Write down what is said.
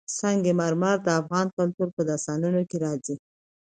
سنگ مرمر د افغان کلتور په داستانونو کې راځي.